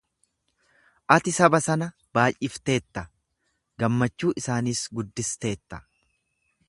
Ati saba sana baay'ifteetta, gammachuu isaaniis guddisteetta.